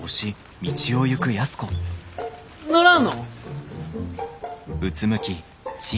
乗らんのん？